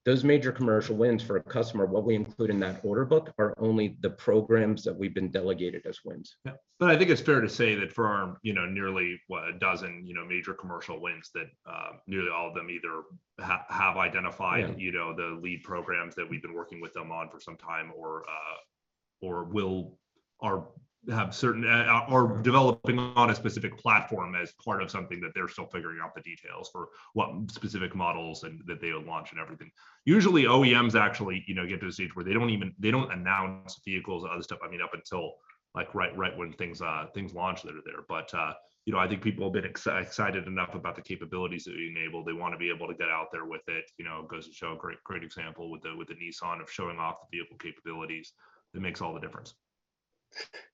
those major commercial wins for a customer, what we include in that order book are only the programs that we've been delegated as wins. I think it's fair to say that from, you know, nearly what a dozen, you know, major commercial wins that nearly all of them either have identified- Yeah You know, the lead programs that we've been working with them on for some time or are developing on a specific platform as part of something that they're still figuring out the details for what specific models and that they launch and everything. Usually OEMs actually, you know, get to a stage where they don't even announce vehicles and other stuff, I mean, up until like, right when things launch that are there. You know, I think people have been excited Valeo about the capabilities that we enable. They wanna be able to get out there with it. You know, it goes to show a great example with the Nissan showing off the vehicle capabilities. It makes all the difference.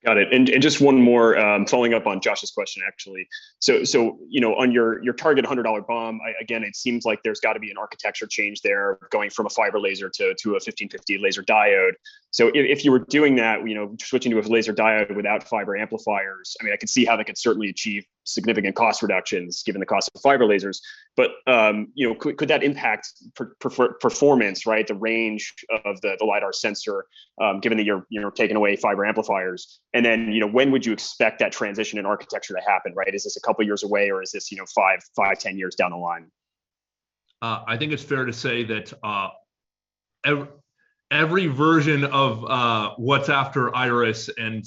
Got it. Just one more, following up on Josh's question, actually. You know, on your target $100 BOM, again, it seems like there's gotta be an architecture change there going from a fiber laser to a 1550 laser diode. If you were doing that, you know, switching to a laser diode without fiber amplifiers, I mean, I could see how they could certainly achieve significant cost reductions given the cost of fiber lasers. But you know, could that impact performance, right, the range of the LiDAR sensor, given that you're taking away fiber amplifiers? Then, you know, when would you expect that transition in architecture to happen, right? Is this a couple of years away, or is this, you know, 5, 10 years down the line? I think it's fair to say that every version of what's after Iris and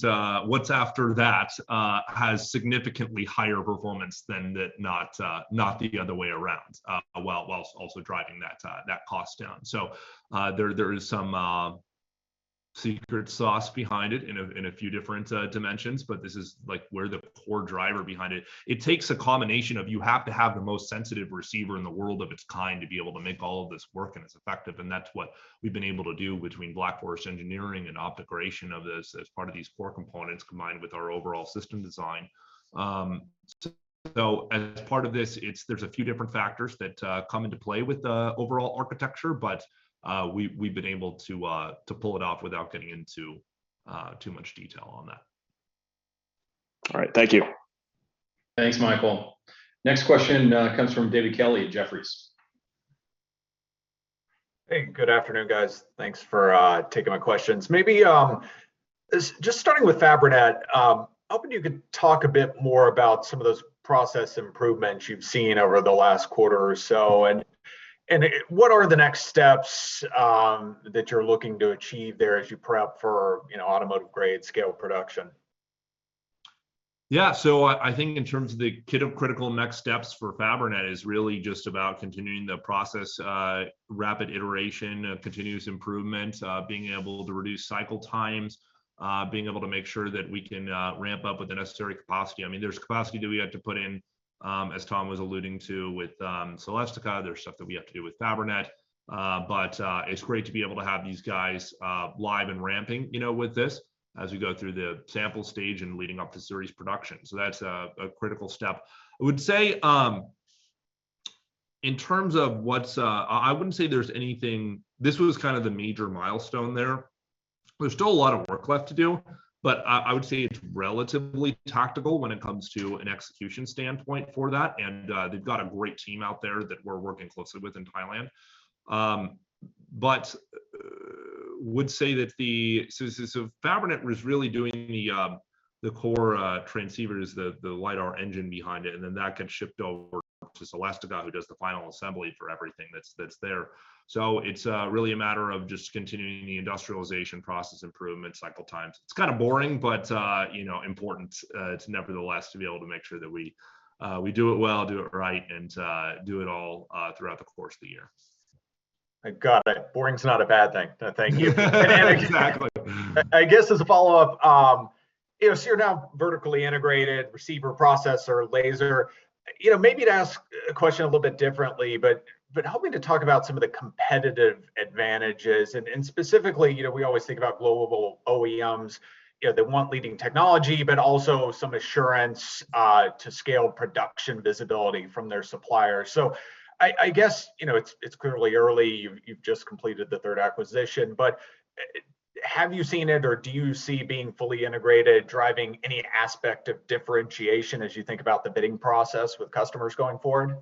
what's after that has significantly higher performance than, not the other way around, while also driving that cost down. There is some secret sauce behind it in a few different dimensions, but this is like where the core driver behind it. It takes a combination of you have to have the most sensitive receiver in the world of its kind to be able to make all of this work and it's effective, and that's what we've been able to do between Black Forest Engineering and OptoGration as part of these core components combined with our overall system design. As part of this, there's a few different factors that come into play with the overall architecture, but we've been able to pull it off without getting into too much detail on that. All right. Thank you. Thanks, Michael. Next question comes from David Kelley at Jefferies. Hey, good afternoon, guys. Thanks for taking my questions. Maybe just starting with Fabrinet, hoping you could talk a bit more about some of those process improvements you've seen over the last quarter or so, and what are the next steps that you're looking to achieve there as you prep for, you know, automotive grade scale production? Yeah. I think in terms of the critical next steps for Fabrinet is really just about continuing the process, rapid iteration, continuous improvement, being able to reduce cycle times, being able to make sure that we can ramp up with the necessary capacity. I mean, there's capacity that we have to put in, as Tom was alluding to with Celestica. There's stuff that we have to do with Fabrinet. But it's great to be able to have these guys live and ramping, you know, with this as we go through the sample stage and leading up to series production. That's a critical step. I would say in terms of what's. I wouldn't say there's anything. This was kind of the major milestone there. There's still a lot of work left to do, but I would say it's relatively tactical when it comes to an execution standpoint for that, and they've got a great team out there that we're working closely with in Thailand. Fabrinet was really doing the core transceivers, the LIDAR engine behind it, and then that gets shipped over to Celestica who does the final assembly for everything that's there. It's really a matter of just continuing the industrialization process improvement cycle times. It's kind of boring, but you know, important to nevertheless be able to make sure that we do it well, do it right, and do it all throughout the course of the year. I got it. Boring's not a bad thing. No, thank you. Exactly. I guess as a follow-up, you know, so you're now vertically integrated, receiver, processor, laser. You know, maybe to ask a question a little bit differently, but help me to talk about some of the competitive advantages and specifically, you know, we always think about global OEMs, you know, that want leading technology but also some assurance to scale production visibility from their supplier. I guess, you know, it's clearly early. You've just completed the third acquisition, but have you seen it or do you see being fully integrated driving any aspect of differentiation as you think about the bidding process with customers going forward?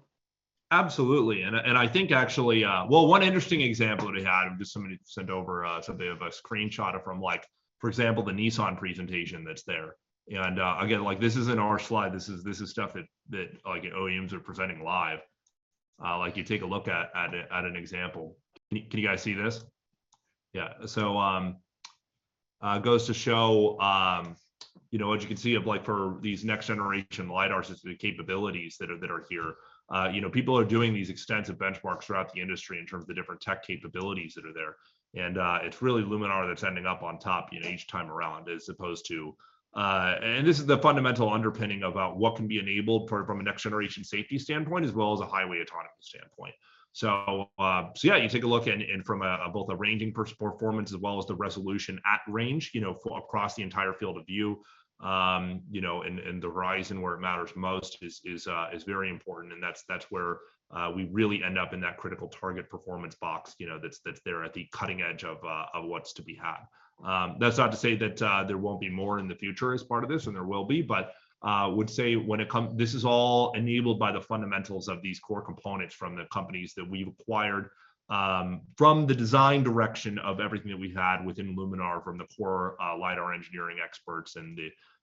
Absolutely. I think actually, well, one interesting example that we had, just somebody sent over, something of a screenshot from, like, for example, the Nissan presentation that's there. Again, like this isn't our slide, this is stuff that like OEMs are presenting live. Like you take a look at an example. Can you guys see this? Yeah. Goes to show, you know, as you can see of, like, for these next generation LIDARs, it's the capabilities that are here. You know, people are doing these extensive benchmarks throughout the industry in terms of the different tech capabilities that are there. It's really Luminar that's ending up on top, you know, each time around as opposed to. This is the fundamental underpinning about what can be enabled for, from a next generation safety standpoint as well as a highway autonomy standpoint. You take a look and from both ranging performance as well as the resolution at range, you know, across the entire field of view, you know, and the range and where it matters most is very important, and that's where we really end up in that critical target performance box, you know, that's there at the cutting edge of what's to be had. That's not to say that there won't be more in the future as part of this, and there will be. This is all enabled by the fundamentals of these core components from the companies that we've acquired, from the design direction of everything that we've had within Luminar from the core LIDAR engineering experts.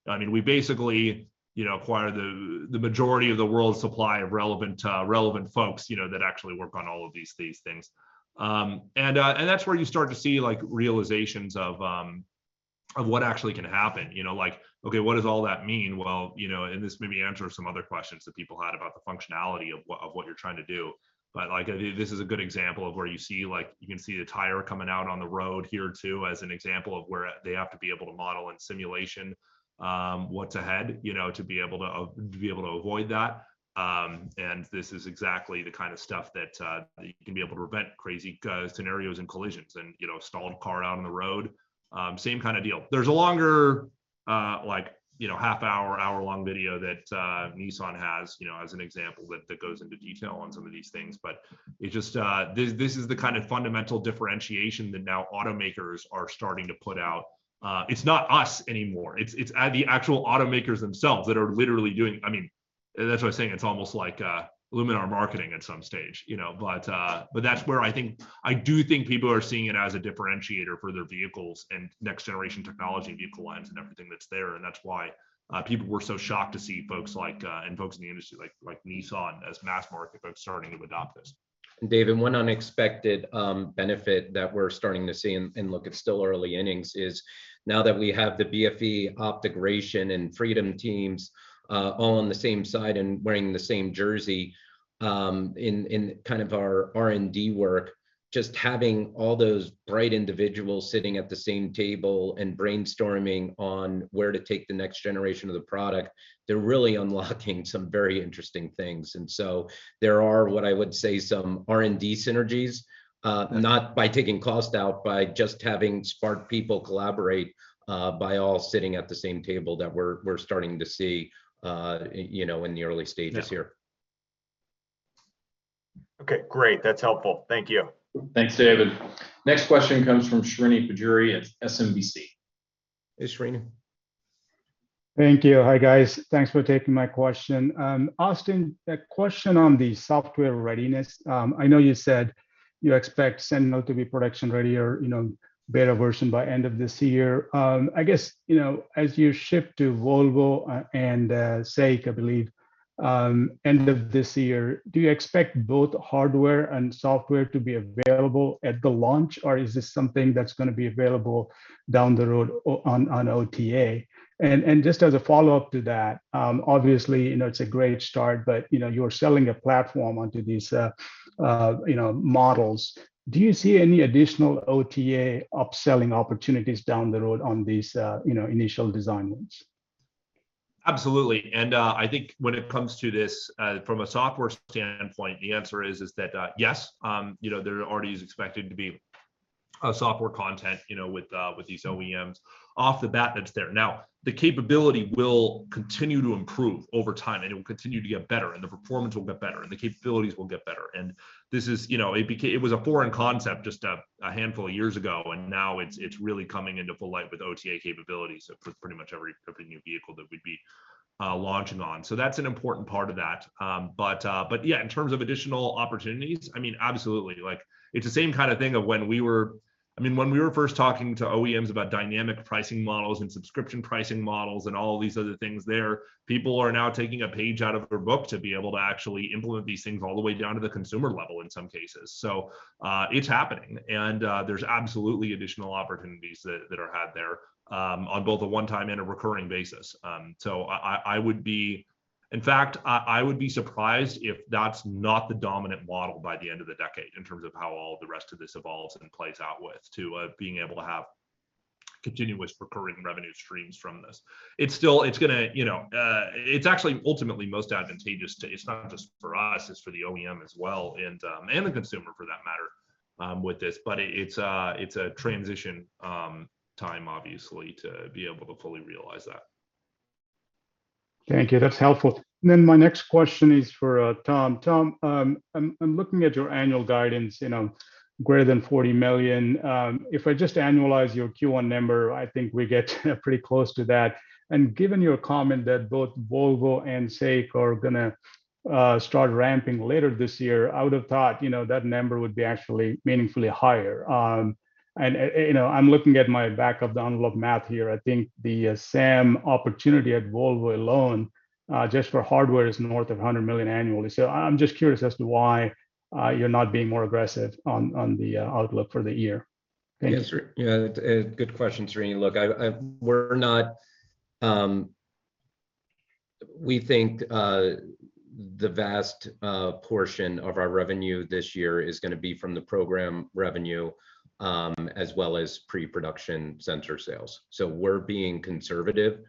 I mean, we basically, you know, acquired the majority of the world's supply of relevant folks, you know, that actually work on all of these things. That's where you start to see like realizations of what actually can happen. You know, like, okay, what does all that mean? Well, you know, and this maybe answers some other questions that people had about the functionality of what you're trying to do. Like this is a good example of where you see, like you can see the tire coming out on the road here too as an example of where they have to be able to model in simulation, what's ahead, you know, to be able to avoid that. This is exactly the kind of stuff that you can be able to prevent crazy scenarios and collisions and, you know, a stalled car out on the road, same kind of deal. There's a longer, like, you know, half hour-long video that Nissan has, you know, as an example that goes into detail on some of these things. It just, this is the kind of fundamental differentiation that now automakers are starting to put out. It's not us anymore. It's at the actual automakers themselves. I mean, that's why I was saying it's almost like Luminar marketing at some stage, you know? That's where I think I do think people are seeing it as a differentiator for their vehicles and next generation technology vehicle lines and everything that's there. That's why people were so shocked to see folks like and folks in the industry like Nissan as mass market folks starting to adopt this. David, one unexpected benefit that we're starting to see, and look, it's still early innings, is now that we have the BFE, OptoGration and Freedom teams, all on the same side and wearing the same jersey, in kind of our R&D work, just having all those bright individuals sitting at the same table and brainstorming on where to take the next generation of the product, they're really unlocking some very interesting things. There are what I would say some R&D synergies, not by taking cost out, by just having smart people collaborate, by all sitting at the same table that we're starting to see, you know, in the early stages here. Yeah. Okay, great. That's helpful. Thank you. Thanks, David. Next question comes from Srini Pajjuri at SMBC. Hey, Srini. Thank you. Hi, guys. Thanks for taking my question. Austin, a question on the software readiness. I know you said you expect Sentinel to be production ready or, you know, beta version by end of this year. I guess, you know, as you shift to Volvo and SAIC, I believe, end of this year, do you expect both hardware and software to be available at the launch, or is this something that's gonna be available down the road on OTA? And just as a follow-up to that, obviously, you know, it's a great start, but, you know, you're selling a platform onto these, you know, models. Do you see any additional OTA upselling opportunities down the road on these, you know, initial design wins? Absolutely. I think when it comes to this, from a software standpoint, the answer is that yes, you know, there already is expected to be a software content, you know, with these OEMs off the bat that's there. Now, the capability will continue to improve over time, and it will continue to get better, and the performance will get better, and the capabilities will get better. This is, you know, it was a foreign concept just a handful of years ago, and now it's really coming into full light with OTA capabilities for pretty much every new vehicle that we bet on launching on. So that's an important part of that. But yeah, in terms of additional opportunities, I mean, absolutely. Like, it's the same kind of thing of when we were. I mean, when we were first talking to OEMs about dynamic pricing models and subscription pricing models and all of these other things there, people are now taking a page out of our book to be able to actually implement these things all the way down to the consumer level in some cases. It's happening, and there's absolutely additional opportunities that are had there, on both a one-time and a recurring basis. In fact, I would be surprised if that's not the dominant model by the end of the decade in terms of how all the rest of this evolves and plays out being able to have continuous recurring revenue streams from this. It's still, it's gonna, you know, it's actually ultimately most advantageous to It's not just for us, it's for the OEM as well and the consumer for that matter, with this. It's a transition time obviously to be able to fully realize that. Thank you. That's helpful. Then my next question is for Tom. Tom, I'm looking at your annual guidance, you know, greater than $40 million. If I just annualize your Q1 number, I think we get pretty close to that. Given your comment that both Volvo and SAIC are gonna start ramping later this year, I would've thought, you know, that number would be actually meaningfully higher. You know, I'm looking at my back of the envelope math here. I think the SAM opportunity at Volvo alone, just for hardware is north of $100 million annually. I'm just curious as to why you're not being more aggressive on the outlook for the year. Thank you. Yes, yeah, it's a good question, Srini. Look, we think the vast portion of our revenue this year is gonna be from the program revenue as well as pre-production sensor sales. We're being conservative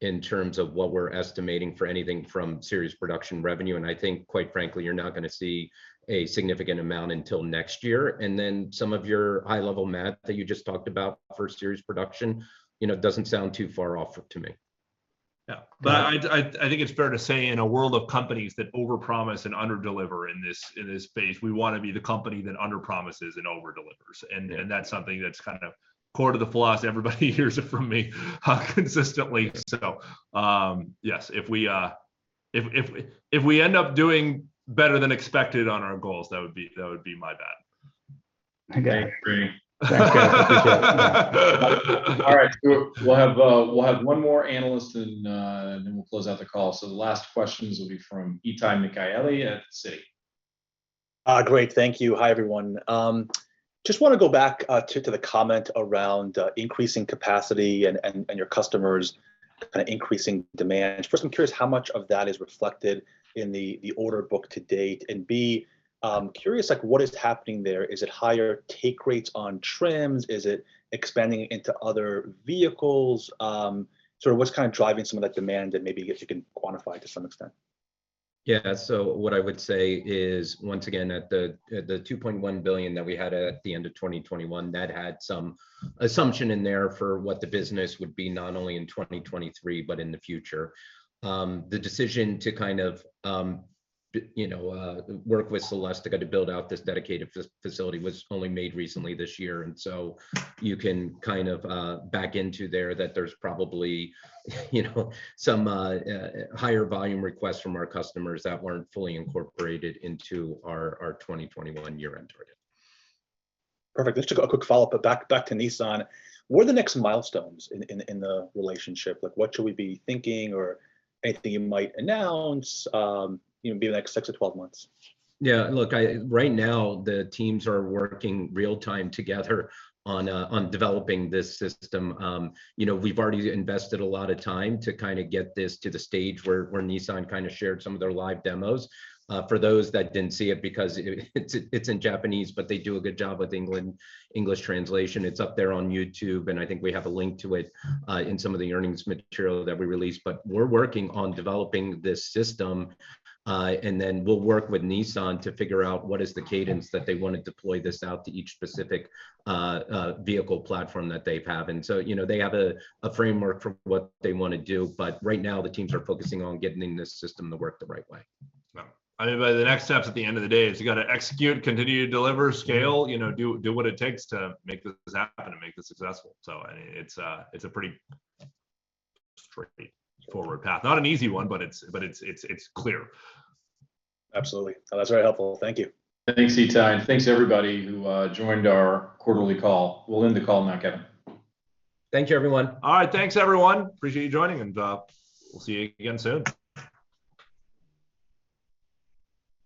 in terms of what we're estimating for anything from series production revenue, and I think quite frankly you're not gonna see a significant amount until next year. Some of your high level math that you just talked about for series production, you know, doesn't sound too far off to me. No. I think it's fair to say in a world of companies that overpromise and underdeliver in this space, we wanna be the company that underpromises and overdelivers. That's something that's kind of core to the philosophy. Everybody hears it from me consistently. Yes, if we end up doing better than expected on our goals, that would be my bad. Okay. Thanks, Srini. All right. We'll have one more analyst and then we'll close out the call. The last questions will be from Itay Michaeli at Citi. Great, thank you. Hi, everyone. Just wanna go back to the comment around increasing capacity and your customers kind of increasing demand. First, I'm curious how much of that is reflected in the order book to date, and curious, like, what is happening there. Is it higher take rates on trims? Is it expanding into other vehicles? Sort of what's kind of driving some of that demand, and maybe if you can quantify to some extent? Yeah. What I would say is, once again, at the $2.1 billion that we had at the end of 2021, that had some assumption in there for what the business would be, not only in 2023 but in the future. The decision to kind of, you know, work with Celestica to build out this dedicated facility was only made recently this year. You can kind of back into there that there's probably, you know, some higher volume requests from our customers that weren't fully incorporated into our 2021 year-end target. Perfect. Just a quick follow-up, but back to Nissan. What are the next milestones in the relationship? Like, what should we be thinking or anything you might announce, you know, in the next 6-12 months? Yeah. Look, right now the teams are working real time together on developing this system. You know, we've already invested a lot of time to kind of get this to the stage where Nissan kind of shared some of their live demos. For those that didn't see it, because it's in Japanese, but they do a good job with English translation. It's up there on YouTube, and I think we have a link to it in some of the earnings material that we released. We're working on developing this system, and then we'll work with Nissan to figure out what is the cadence that they wanna deploy this out to each specific vehicle platform that they have. You know, they have a framework for what they wanna do, but right now the teams are focusing on getting this system to work the right way. Yeah. I mean, the next steps at the end of the day is you gotta execute, continue to deliver, scale, you know, do what it takes to make this happen and make this successful. It's a pretty straightforward path. Not an easy one, but it's clear. Absolutely. No, that's very helpful. Thank you. Thanks, Itay, and thanks everybody who joined our quarterly call. We'll end the call now, Kevin. Thank you, everyone. All right, thanks, everyone. Appreciate you joining, and we'll see you again soon.